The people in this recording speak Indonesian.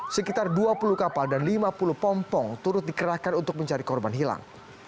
sekitar dua puluh kapal dan lima puluh pompong turut dikerahkan untuk mencari korban hilang